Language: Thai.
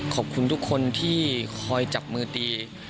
ขอบคุณทุกคนที่คอยจับมือตี